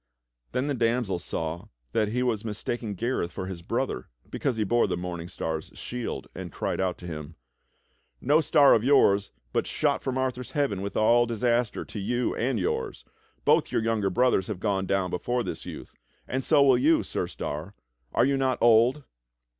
Then the damsel saw that he was mistaking Gareth for his brother because he bore the Morning Star's shield, and cried out to him: "No star of yours, but shot from Arthur's heaven wdth all disaster to you and yours! Both your younger brothers have gone down before this youth; and so will you. Sir Star; are you not old?"